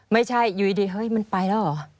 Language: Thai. ไม่ใช่อยู่ดีเฮ้ยมันไปแล้วเหรอ